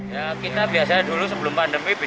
ya kita dulu sebelum pandemi bisa satu lima ratus lumpia